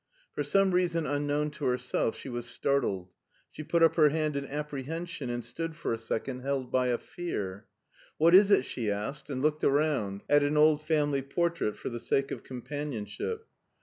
For some reason unknown to herself she was startled. She put up her hand in apprehension^ and stood for a second held by a fear. "What is it?" she asked, and looked around at an old family portrait for the sake of companionship.